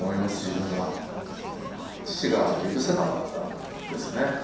父が許せなかったんですね。